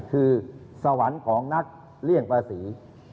คือสวรรค์ของนักเลี่ยงประสิทธิ์